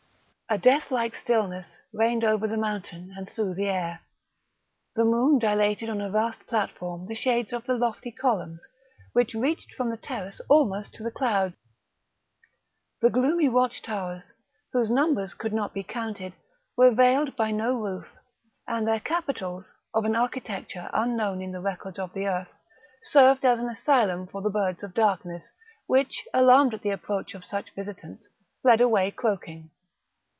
A death like stillness reigned over the mountain and through the air; the moon dilated on a vast platform the shades of the lofty columns, which reached from the terrace almost to the clouds; the gloomy watch towers, whose numbers could not be counted, were veiled by no roof, and their capitals, of an architecture unknown in the records of the earth, served as an asylum for the birds of darkness, which, alarmed at the approach of such visitants, fled away croaking.